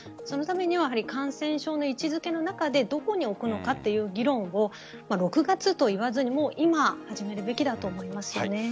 そのためには感染症の位置付けの中でどこに置くのかという議論を６月と言わずに今始めるべきだと思います。